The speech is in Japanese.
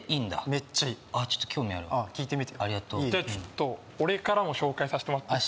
めっちゃいいあっちょっと興味あるわああ聴いてみてありがとうじゃあちょっと俺からも紹介さしてもらっていい？